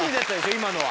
今のは。